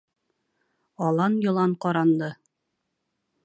Алан-йолан ҡаранды.